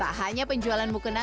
tak hanya penjualan mukena